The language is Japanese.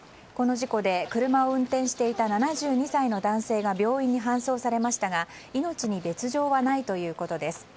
この事故で車を運転していた７２歳の男性が病院に搬送されましたが命に別条はないということです。